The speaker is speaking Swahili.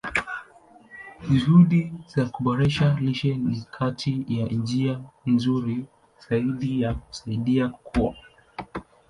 Juhudi za kuboresha lishe ni kati ya njia nzuri zaidi za kusaidia kukua.